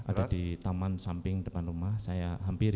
ada di taman samping depan rumah saya hampir